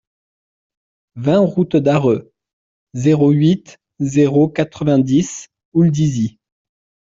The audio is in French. vingt route d'Arreux, zéro huit, zéro quatre-vingt-dix, Houldizy